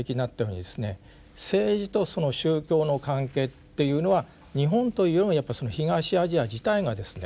政治とその宗教の関係っていうのは日本というよりもやっぱりその東アジア自体がですね